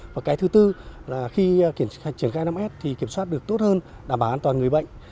và cái thứ tư là khi triển khai năm s thì kiểm soát được tốt hơn đảm bảo an toàn người bệnh